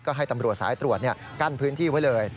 ก็ให้ตำรวจสายตรวจกั้นพื้นที่ไว้เลย